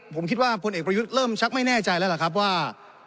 ผมคิดว่าพลเอกประยุทธ์เริ่มชักไม่แน่ใจแล้วล่ะครับว่า